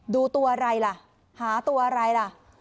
ดูตัวอะไรล่ะหาตัวอะไรล่ะ